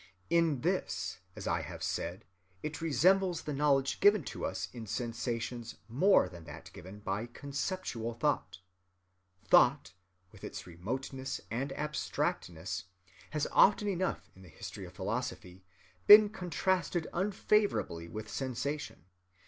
In this, as I have said, it resembles the knowledge given to us in sensations more than that given by conceptual thought. Thought, with its remoteness and abstractness, has often enough in the history of philosophy been contrasted unfavorably with sensation.